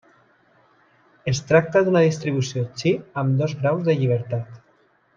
Es tracta d'una distribució chi amb dos graus de llibertat.